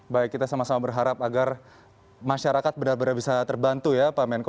baik kita sama sama berharap agar masyarakat benar benar bisa terbantu ya pak menko